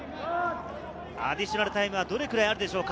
アディショナルタイムはどれくらいあるでしょうか。